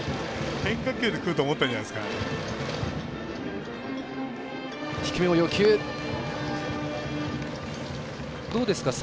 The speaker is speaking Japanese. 変化球でくると思ったんじゃないですか。